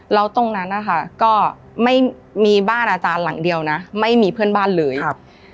แล้วตรงนั้นนะคะก็ไม่มีบ้านอาจารย์หลังเดียวนะไม่มีเพื่อนบ้านเลยครับ